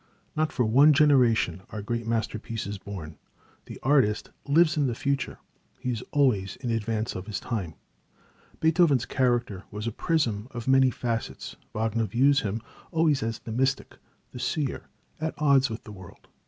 Not for one generation are great masterpieces born. The artist lives in the future; he is always in advance of his time. Beethoven's character was a prism of many facets. Wagner views him always as the mystic, the seer, at odds with the world.